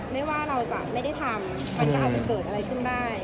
ไม่ว่าเราจะไม่ได้ทำมันก็อาจจะเกิดอะไรขึ้นได้